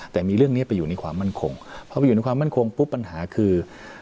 แต่มีเรื่องนี้ไปอยู่ในความมั่นคงพอไปอยู่ในความมั่นคงปุ๊บปัญหาคือ